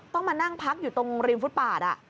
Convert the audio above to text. ต้องมานั่งพักอยู่ตรงริมฟุตปาด